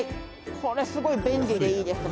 これ、すごい便利でいいですね」